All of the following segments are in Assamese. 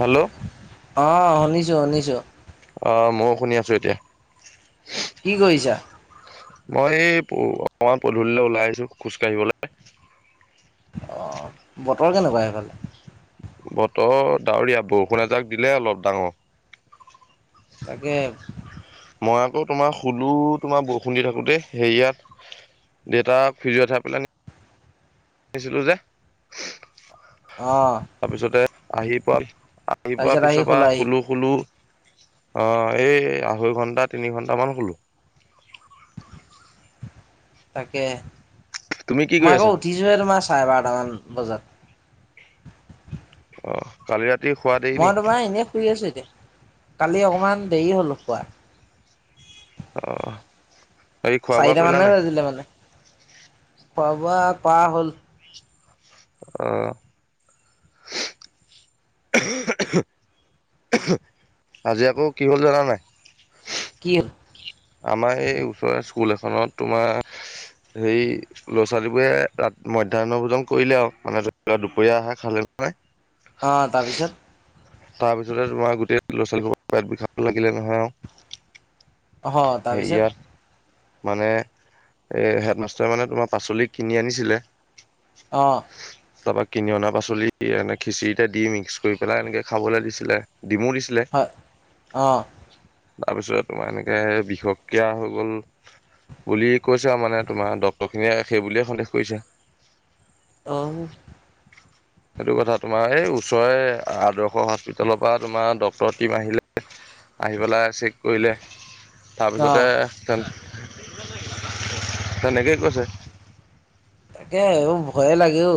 হেল্ল' অ', শুনিছোঁ শুনিছোঁ। অ', ময়ো শুনি আছো এতিয়া। কি কৰিছা? অই পদূলিলৈ ওলাই আহিছোঁ খোজকাঢ়িবলৈ অ', বতৰ কেনেকুৱা সেইফালে? বতৰ ডাৱৰীয়া বৰষুণ এজাক দিলে অলপ ডাঙৰ। তাকে। মই আকৌ তোমাৰ শুলো তোমাৰ বৰষুণ দি থাকোতে হেৰিয়াত দেউতাক ফিৰি উঠাই পেলাই শিছিলো যে। অ'। তাৰপিছতে আহি পোৱা আহি পোৱাৰ পিছৰ পৰা শুলো খুলো। অঁ এই আঢ়ৈ ঘণ্টা তিনি ঘণ্টামান ক'লোঁ তাকে তুমি কি মই কৰি আকৌ আছা উঠিছোঁহে তোমাৰ চাৰে বাৰটামান বজাত। অ' কালি ৰা মই তোমাৰ এনেই শুই আছো এতিয়া কালি অকমান দেৰি হলো খোৱা আহ। চাৰিটা মানহে বজিলে মানে খোৱা বোৱা কৰা হ'ল। আহ। আজি আকৌ কি হ'ল জানা নাই? এক আমাৰ এই ওচৰৰ স্কুল এখনত তোমাৰ সেই ল'ৰা ছোৱালীবোৰে ৰা মধ্যাহ্ন ভোজন কৰিলে আৰু মানে ধৰি ল দুপৰীয়া আহে খালে [inaudible] আহ তাৰপিছত তাৰপিছতে তোমাৰ গোটেই ল'ৰা ছোৱালী পেট বিষাব লাগিলে নহয় আৰু। অহ হেৰিয়াত তাৰপিছত মানে এই হেডমাষ্টৰে মানে তোমাৰ পাচলি কিনি আনিছিলে। অঁ তাৰপৰা কিনি অনা পাচলি এনে খিচিৰিতে দি মিক্স কৰি পেলাই এনেকে খাবলৈ দিছিলে ডিমো দিছিলে হয় অঁ তাৰপিছত তোমাৰ এনে বিশষক্ৰিয় হৈ গ'ল বুলি কৈছা আৰু মানে তোমাৰ ডক্তৰ খিনিয়ে সেই বুলিয়ে সন্দেহ কৰিছে অ [inaudible] সেইটো কথা তোমাৰ এই ওচৰৰে আদৰ্শ হস্পিটেলৰ পৰা তোমাৰ ডটৰৰ টিম আহিলে। আহি পেলাই চেক কৰিলে। অঁ তাৰপিছতে তে তেনেকেই কৈছে। তাকে ভয়ে লাগেও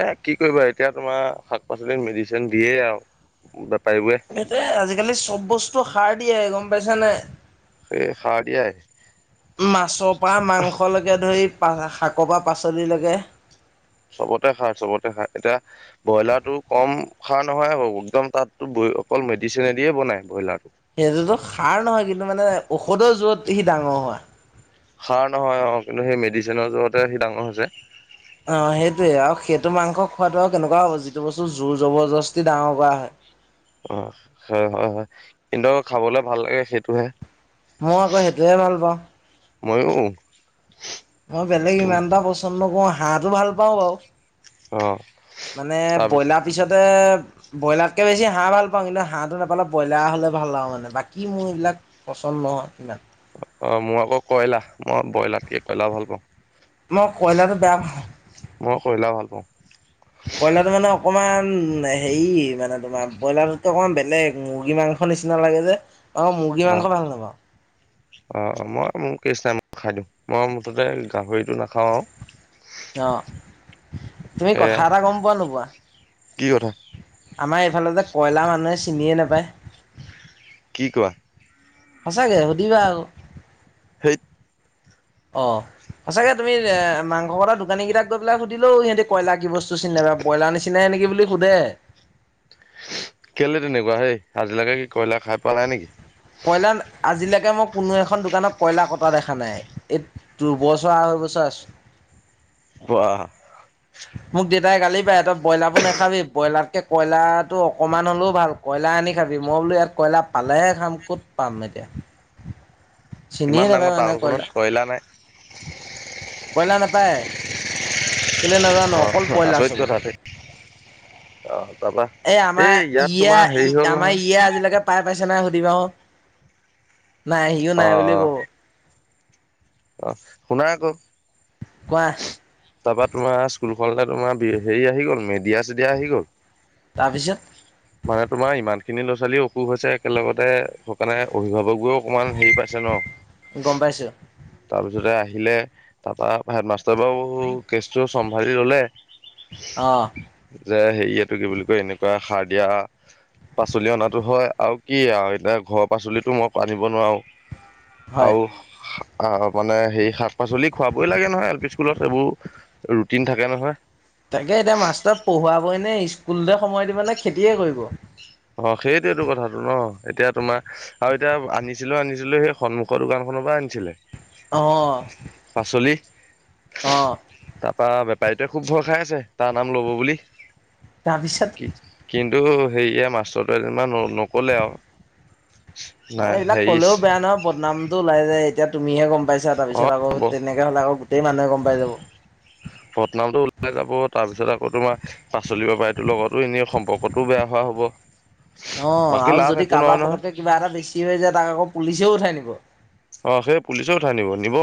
এ কি কৰিবা এতিয়া তোমাৰ শাক পাচলিত মেডিচিন দিয়ে আৰু বেপাৰীবোৰে স আজিকালি চব বস্তু সাৰ দিয়ে গম পাইছ নে স সাৰ দাই মাছৰ পৰা মাংসলৈকে ধৰি শাকৰ পৰা পাচলিলৈকে চবতে খাই চবতে খাই এতিয়া ব্ৰইলাৰ টো কম খা নহয় ব একদম তাতো অকল মেডিচিনেিয়ে বনাই ব্ৰইলাৰত সেইটোতো সাৰ নহয় কিন্তু মানে ঔষধৰ যত সি ডাঙৰ হয় সাৰ নহয় অ', কিন্তু সেই মেডিচিনৰ জতে সি ডাঙৰ হৈছে খোৱাতটো কেনেকুৱা হ'ব যিটো বস্তু জোৰ জবৰ জস্তি ডাঙৰ কৰা হয় অ, হয়। হয়। হয়। কিন্তু খাবলে ভাল লাগে সেইটোহে মই আকৌ সেইটোৱে ভাল পাওঁ ময়ুৰ মই বেলেগ ইমান এটা পচন্দকৰো হাঁহটো ভাল পাওঁ বাৰু অ মানে তাৰপিছত ব্ৰইলাৰ পিছতে ব্ৰইলাৰকে বেছি হাঁহ ভাল পাওঁ কিন্তু হাঁহটো নাপালে ব্ৰইলাৰ হলে ভাল লাওঁ মানে বাকী মোৰ এইবিলাক পন্ন কিমান অ', মোৰ আকৌ কয়লা মই ব্ৰইলাৰ কি কয়লা ভাল পাওঁ মই কয়লাৰটো বেয়া মই কয়লা ভাল পাওঁ কয়লাৰটো মানে অকমান হেৰি মানে তোমাৰ ব্ৰইলাৰটোতকে অকমান বেলেগ মুৰ্গী মাংস নিচিনা লাগে যে অ', মুৰ্গী মাংস ভাল নবা। অ', অ', মই মোৰ কেচ নাই মই খাই দিওঁ মই মুঠতে গাহৰিটো নাখাওঁ আৰু। অ'। তুমি কথা সেয়া এটা গম পোৱা নোপোৱা কি কথা আমাৰ। আচলতে কয়লাৰ মানুহে চিনিয়ে নাপায়। কি কোৱা। সঁচাকে সুধিবা আৰু। সেইত। অ', সঁচাকে তুমি এ মাংস ক দোকানী কেইটাক গৈ পেলাই সুধিলো সিহঁতি কয়লা কি বস্তু চিনধ বাা কইলাৰ নিচিনাই নেকি বুলি সোধে কেলে তেনেকুৱা হেই আজিলৈকে কি কয়লা খাই পোৱা নাই নেকি কয়লাৰ আজিলৈকে মই কোনো এখন দোকানত কয়লা কটা দেখা নাই এই দু্বছৰ আঢ়ৈ বছৰ ছছ [unintelligible] মোক দেউতাই গালি পাৰে তই ব্ৰইলাৰবোৰ নাখাবি ব্ৰইলাৰ তে কয়লাৰতো অকণমান হ'লেও ভাল কয়লা আনি খাবি মই বোলো ইয়াত কয়লা পালেহে খাম ক'ত পাম। [unintelligible] চিনিয়ে ইমান ডাঙৰ নাপায় মানুহে টাউনখনত কয়লা। নাই কয়লাৰ নাপায় কেলে নাজানো অ অকল বইলাৰ আচৰিত কথা চবতে। দেই অ'। তাৰপা এ', আমাৰ এই ইয়াত তোমাৰ হেৰি ইয়া হ'ল আমাৰ নহয় ইয়া আজিলৈকে পাই পাইছে। নাই সুধিবা আকো নাই সিও অ নাই বুলি কব। অ', শুনা আকৌ। কোৱা। তাৰপৰা তোমাৰ স্কুলখনলে তোমাৰ হেৰি আহি গ'ল মেডিয়া- চেডিয়া আহি গ'ল। তাৰপিছত। মানে তোমাৰ ইমান খিনি ল'ৰা-ছোৱালী অসুখ হৈছে একেলগতে সেইকাৰণে অভিভাৱক। গৈ অকমান হেৰি পাইছে নহ। গম পাইছো তাৰপিছতে আহিলে তাৰপৰা হেডমাষ্টাৰ বাৰু কেচটো চম্ভালি ল'লে। অ,। যে হেৰিয়টো কি বুলি কয় এনেকুৱা শাক যে। এতিয়া পাচলি অনাতো হয় আৰু কি আৰু এতিয়া ঘৰৰ পাচলিতো মই আনিব নোৱাৰো। হয় আৰু আহ', মানে সেই শাক-পাচলি খুৱাবই লাগে নহয় এল পি। স্কুলত এইবোৰ ৰুটিন থাকে নহয়। তাকে এতিয়া মাষ্টৰ পঢ়োৱাবই নে স্কুলতে সময় দিব নে খেতিয়ে কৰিব। অ, সেইটোৱেটো কথাটো নহ এতিয়া তোমাৰ আৰু এতিয়া আনিছিলো আনিছিলো। সেই সন্মুখৰ দোকানখন। [unintelligible] অ আনিছিলে-পাচলি অ তাৰপৰা। বাইদেই খুব ভয় খাই আছে তাৰ নাম ল'ব বুলি। কি তাৰপিছত। কিন্তু সেইয়া মাষ্টৰটোৱে যেনিবা নকলে আৰু। অ নাই এইবিলাক হেৰি ক'লেও বেয়া নহয় বদনামটো ওল যায় এতিয়া তুমিহে গম পাইছা তাৰ পিছত। [unintelligible] অ পিছত আকৌ তেনেকে হ'লে আকৌ গোটেই মানুহে গম পাই যাব। বদনামটো ওলাই যাব তাৰপিছত আকৌ তোমাৰ পাচলি বেপাৰীটোৰ লগতো এনেই সম্পৰ্কতটোও বেয়া হোৱা। হ'ব। অ বাকী আৰু লাভ যদি একো নহয় কাৰোবাৰ নহয় পতকে কিবা এটা বেছি হৈ যায় তাক আকৌ পুলিচেও উঠাই নিব। অ সেই পুলিচে উঠাই নিব নিব।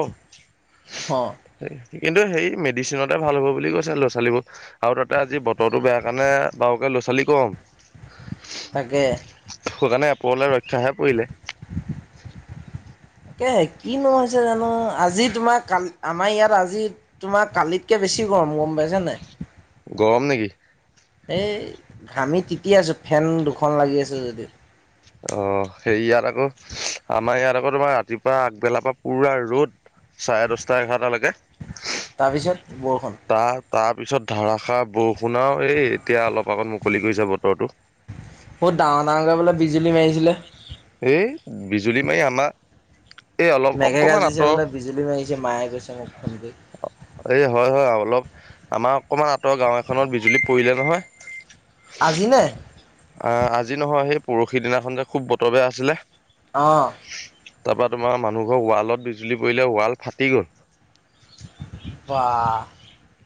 অহ। কিন্তু সেই মেডিচিনতে ভাল হ'ব বুলি কৈছে ল'ৰা-ছোৱালীবোৰ আৰু তাতে আজি বতৰটো বেয়া কাৰণে বাৰুকে। ছালিকম। তাকে। সেইকাৰণে এপৰলে ৰক্ষাহে পৰিলে। তাকে কিনো হৈছে জানো আজি তোমাৰ কালি আমাৰ ইয়াত আজি তোমাৰ কালিতকে বেছি। গৰম গম পাইছা নাই। গৰম নেকি। এই ঘামি তিতি আছো ফেন দুখন লাগি আছে যদিও। অ', সেইয়াত আকৌ আমাৰ ইয়াত আকৌ তোমাৰ ৰাতিপুৱা আগবেলাৰ পৰা পুৰা ৰ'দ, চাৰে দহটা এঘাৰট লৈকে। তাৰপিছত বৰষুণ। তাৰ পিছত ধাৰষাৰ বৰষুণ আও এই এতিয়া অলপ আগত মুকলি কৰিছে বতৰটো। বহুত ডাঙৰ ডাঙৰকৈ বোলে বিজুলী মাৰিছিলে। এই বিজুলী মাৰি আমাক। মেঘে গাজিছে বোলে বিজুলী মাৰিছে মায়ে গৈছে মোক ফোন কৰি। এই হয়, হয়, অলপ আমাৰ অকমান আঁতৰ গাঁও এখনত বিজুলী পৰিলে নহয়। আজিনে? অ', আজি নহয় সেই পৰহি দিনাখন যে খুব বতৰ বেয়া আছিলে। অ তাৰপৰা তোমাৰ মানুহঘৰ ৱালত বিজুলী পৰিলে ৱাল ফাটি গ'ল। বা,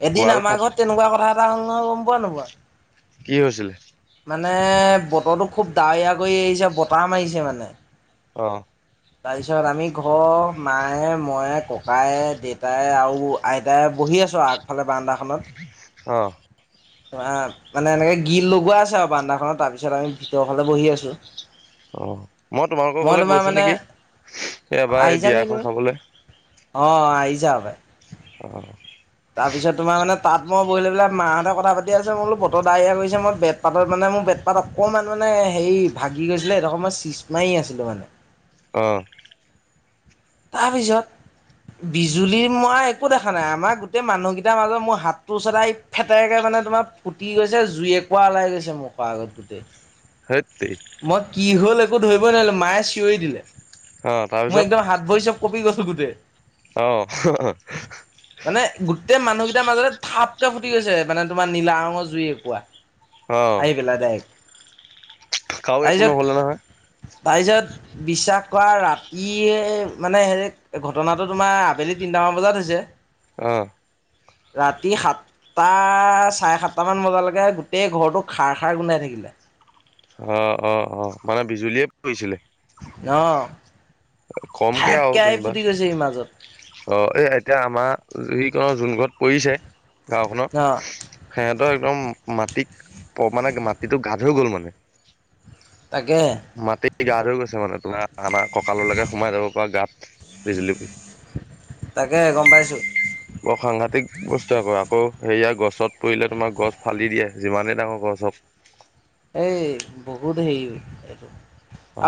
এদিন ৱাল ফাট আমাৰ ঘৰত তেনেকুৱা কথা এটা হ'ল নহয় গম পোৱা নোবোৱা! কি হৈছিলে? মানে বতৰটো খুব ডাৱৰীয়া কৰি আহিছে বতাহ মাৰিছে মানে অঁ। তাৰপিছত আমি ঘৰৰ মায়ে মই ককায় দেউেতাই আৰু আইতাই বহি বহি আছ আগফে বাৰাণ্ডা খ অঁ। মানে এনেকে গিল লগোৱা আছে আৰু বাৰাণ্ডা খনত, তাৰপিছত আমি ভিতৰ হে বহি আছো। অ', মই তোমালোকৰ ঘৰলে গৈছো নেকি এই এবাৰ এই আহিছা বিয়া নেকি এখন তুমি? খাবলৈ। অ', আহিছা সপাই। অঁ। তাৰ পিছত তোমাৰ মানে তাত মই বহিলৈ পেলাই, মাহঁতে কথা পাতি আছে মই বোলো বতৰ দাৱৰিয়া কৰিছে মই বেত পাতত মানে মোৰ বেটপাত অকণমান মানে হেৰি ভাগি গৈছিলে সেইটোক মই চিচ মাৰি আছিলো মানে। অঁ। তাৰপিছত বিজুলী মই একো দেখা নাই আমাৰ গোটেই মানুহ কেইটাৰ মাজত মোৰ হাতটো ওচৰত আহি ফেতেৰেকে মা ানে তোমাৰ ফুটি গৈছে জুই এককা ওলাই গৈছে মুখৰ আগত গোটেই। সেইত তেৰি মই কি হ'ল একো ধৰিবই নোৱাৰিলো মায়ে চিঞৰি দিলে। অ', মই তাৰপিছত একদম হাত ভৰি চ'ব কঁপি গৈছো গোটেই। অ', মানে গোটেই মানুহকেইটাৰ মাজতে থাপ কে ফুটি গৈছে মানে তোমাৰ নীলা ৰঙৰ জুই একুৰা আহি পেলাই ডাইৰেক্ট। কৰো একো নহ'লে নহয়? তাৰ পিছত বিশ্বাস কৰা ৰাতিয়ে মানে, হেৰি ঘটনাটো তোমাৰ আবেলি দি তিনিটামান বজাত হৈছে। অহ। ৰাতি সাত তাৰ চাৰে সাতটাামান বজালৈকে গোটেই ঘৰটো খাৰ খাৰ গোন্ধাই থাকিলে। অ', অ', অ', মানে বিজুলীয়ে পৰিছিলে। অহ। কমকে আৰু কনিবা, মাজত অ', এই এতিয়া আমাৰ যোন ঘৰত পৰিছে গাঁওখনৰ অ সিহঁতৰ একদম মাত টি, মানে মাটিটো গাঁত হৈ গ'ল মানে। তাকে মাটি গাঁত হৈ গৈছে মানে তোমাৰ। আনা কঁকাললৈকে সোমাই যাব পাৰ গাঁত বিজুলী তাকে গম পাইছোঁ। প্ৰত্যেক বস্তুৱে আকৌ আকৌ সেয়া গছত পৰিলে তোমাৰ গছ ফালি দিয়ে যিমানে ডাঙৰ গছ হওক। [unintelligible] এই বহুত হেৰি এইটো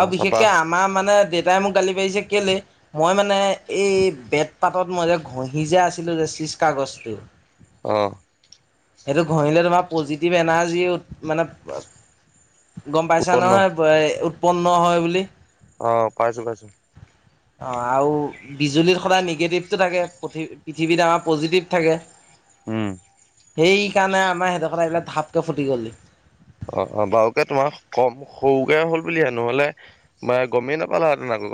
আৰু তাৰপা বিশেষকে আমাৰ মানে দেউতাই মোক গালি পাৰি কেলে মই মানে এই বেত পাতত মই যে ঘঁহি যে আছিলো চিজকাগজ বস্তু আহ। সেইটো ঘঁহিলে তোমাৰ পজিটিভ এনাৰ্জি মানে। গম পাইছা ওপৰত ন নহয় উৎপন্ন হয় বুলি। অ', পাইছো পাইছো। অ', আৰু বিজুলী সদায় নিগেটিভটো থাকে পৃথিৱীত আমাৰ পজিটিভ থাকে। উম। সেই কাৰণে আমাৰ সেইদখত আহি ঢাপকে ফুটি গ'লহি। অ', অ', বাৰুকে তোমাৰ কম সৰুকে হল বুলি হে, নহলে গমেই নাপালা হেঁতেন আক।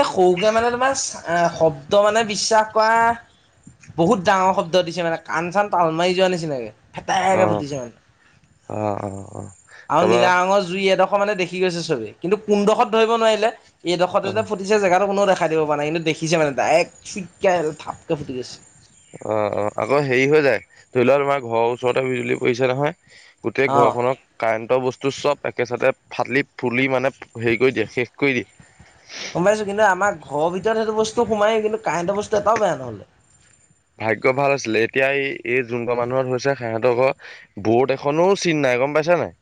এ সৰুকে মানে তোমাৰ বহুত ডাঙৰ শব্দ দিছে মানে, কাণ চান তাল মাৰি যোৱা নিচিনাকে। অ হটাকে বুতিচে মানে অ অ অ আৰু তাৰপা নীলা ৰঙৰ জুই এডোখৰ মানে দেখি গৈছে চবেই, কিন্তু কোনডোখৰত ধৰিব নোৱাৰিলে। অ এইডখতে ফুটিছে জেগাতো কোনো দেখা নাই। খাই দিব পৰা নাই কিন্তু দেখিছে মানে ডাইৰেক্ট চিককে থাপকে ফুটি গৈছে। অ' অ' আকৌ হেৰি হৈ যায় ধৰি লোৱা তোমাৰ ঘৰৰ ওচৰতে বিজুলী পৰিছে নহয়। গোটেই অ ঘৰখনত কাৰেণ্ট কাৰেণ্ট বস্তু চ'ব একেচতে ফালি ফুলি মানে হেৰি কৰি দিয়ে। গমপাইছো, কিন্তু আমাৰ ঘৰৰ ভিতৰত সেইটো বস্তু সোমায় কিন্তু কাৰেণ্টৰ বস্তু এটাও বেয়া নহ'লে। ভাগ্যৰ ভাল আছিলে এতিয়া এই এই যোন ঘৰৰ মানুহৰ হৈছে সিহঁতৰৰ ঘৰৰ বোৰ্ড এখনো চিন নাই। নাই গ'ম পাইছা নাই।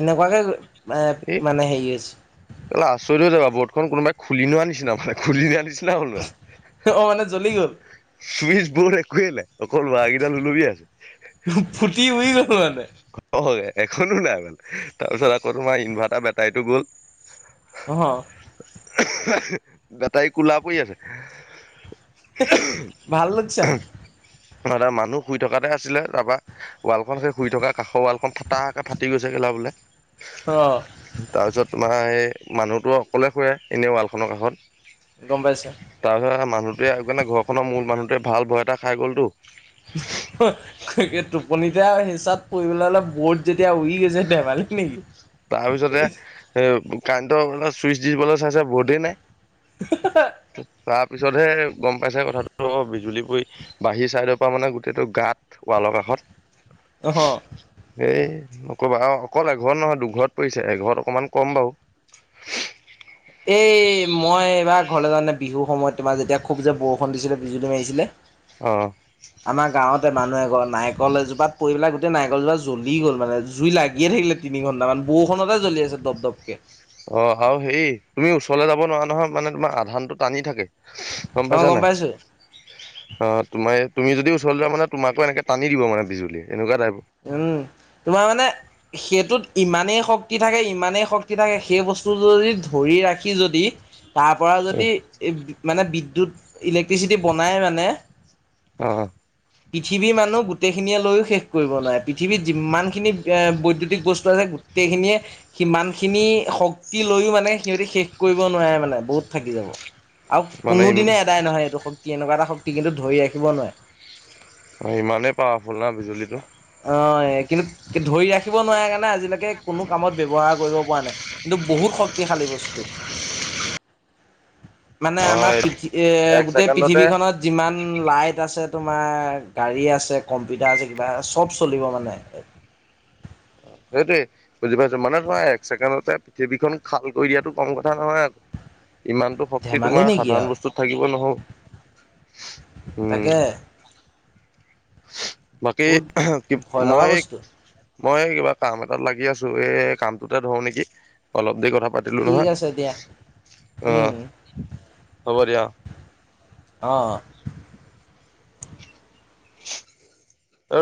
এনেকুৱা কে। এ আচৰিতও যাবা বৰ্ডখন কোনোবাই খুলি লোৱা নিচিনা মানে খুলি আনিছিল। অ' মানে জ্বলি গ'ল। চুইচ বৰ্ড একোৱেই নাই অকল ওৱাৰ কেইডাল ফুটি উৰি গ'ল মানে হয়, এখনো নাই মান তাৰপিছত আকৌ তোমাৰ ইনভাৰ্টাৰ বেটাৰীটো গ'ল। অ' গটাই কোলা পৰি আছে। ভাল লচ হটা মানুহ শুই থকাতে আছিলে তাৰপা ৱালখন সেই শুই থকা কাষৰৱালখন ফাটাকৈ ফাটি গৈছেগেলা বোলে অ তাৰপিছত তোমাৰ এইেই মানুহটো অকলে শুৱে এনেই ৱালখনৰ গম পাইছা কাষত। তাৰ পিছত মানুহটোৱেকাৰণে ঘৰখনৰ মূল মানুহটোৱে ভাল ভয় এটা খাই গ'লতো। টোপনিতে হিচাত পৰিবলৈ হ'লে বৰ্ড যেতিয়া উৰি গৈছে। ধেমালি নেকি তাৰপিছতে এ কাৰেণ্টৰ অলপ চুইচ দিবলৈ চাইছে বৰ্ডেই নাই। [unintelligible] তাৰ পিছতহে গ'ম পাইছে, কথাটো বিজুলী পৰি বাহিৰ চাইদৰ পৰা মানে গোটেইটো গাঁত ৱাল ৱালৰ কাষত অ' এই নকবা আৰু অকল এঘ নহয় দুঘৰত পৰিছে এঘৰত অকণমান কম বাৰু। এই মই এবাৰ ঘৰলে যাওতে বিহুৰ সময়ত। তোমাৰ যেতিয়া খুব যে বৰষুণ দিছিলে, বিজুল মাৰিছিলে অ', আমাৰ গাঁৱত। মানুহ এঘৰত নাৰিকল এজোপাত পৰি পেলাই গোটেই নাৰিকলজোপা জ্বলি গ'ল মানে জুই লাগিয়ে থাকিলে তিনি ঘণ্টামান। বৰষুণতে জ্বলি আছে দপ দপকে। অ' আৰু হেৰি তুমি ওচৰলে যাব নোৱাৰা নহয় মানে তোমাৰ আধানটো টানি থাকে। গ'ম অ পাইছা নাই পাইছো অ' তোমাৰ য়ে তুমি যদি ওচৰলৈ যোৱা মান তোমোকো এনেকৈ টানি দিব মানে বিজুল এনেকুৱাই। উম, তোমাৰ মানে সেইটোত ইমানেই শক্ত শক্তি থাকে ইমানেই শক্তি থাকে সেই বস্তু যদি ধৰি ৰাখি যদি তাৰ পৰা যদি মানে বিদ্যুৎ ইলেক্ট্ৰিচিটি বনাই মানে অঁ। পৃথিৱী মানুহ গোটেইখিনিয়ে লৈও শেষ কৰিব নোৱাৰে পৃথিৱীত যিমান খিনি এ বৈদ্য়ুতিক বস্তু আছে গোটেইখিনিয়ে সিমান খিনি শক্তি লৈও মানে সিহঁতি শেষ কৰিব নোৱাৰে মানে বহুত থাকি যাব। আৰু মানে ই কোনোদিনে এটাই নহয় এইটো শক্তি ইমানেই পাৱাৰ ফুল না বিজুলীটো। অ' কিন্তু ধৰি ৰাখিব নোৱাৰে কাৰণে আজিলৈকে কোনো কামত ব্যয়ৱহাৰ কৰিব পৰা নাই। কিন্তু বহুত শক্তিশালী বস্তু মানে আমাৰ অ', পৃথি, এ, এক গোটেই ছেকেণ্ডতে পৃথিৱীখনত যিমান লাইট আছে তোমাৰ গাড়ী আছে, কম্পিউটাৰ আছে, কিবা চব চলিব মানে। সেইটোৱে বুজি পাইছো। মানে ধৰা এক ছেকেণ্ডতে পৃথিৱীখন খাল কৰি দিয়াটো কম কথা নহয় আক। ইমানতটো শক্তি ধেমালি তোমাৰ সাধাৰণ বস্তুত থাকিব নহও। তাকেহে। বাকী, ভয় লগা মই বস্তু মই কিবা কাম এটাত লাগি আছো এ কামটোতে ধৰো নেকি, অলপ দেৰি কথা পাতিলো ঠিক নহয়। আছে দিয়া অঁ, উম হ'ব দিয়া। অঁ।